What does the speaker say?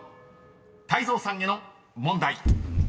［泰造さんへの問題］